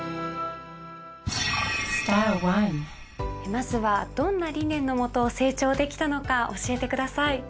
まずはどんな理念の下成長できたのか教えてください。